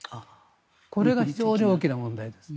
これが非常に大きな問題です。